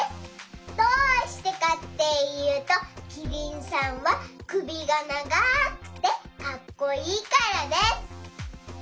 どうしてかっていうとキリンさんはくびがながくてかっこいいからです。